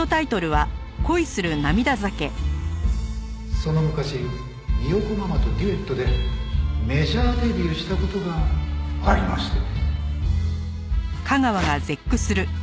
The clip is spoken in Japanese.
「その昔三代子ママとデュエットでメジャーデビューした事がありましてね」